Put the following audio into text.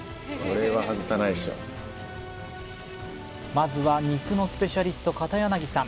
まずは肉のスペシャリスト片柳さん